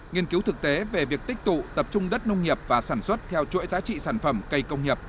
nghiên cứu thực tế về việc tích tụ tập trung đất nông nghiệp và sản xuất theo chuỗi giá trị sản phẩm cây công nghiệp